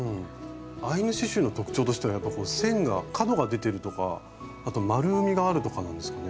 アイヌ刺しゅうの特徴としてはやっぱこう線が角が出てるとかあとまるみがあるとかなんですかね？